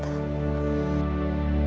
terima kasih pak ustaz